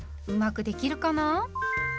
うまくできるかな？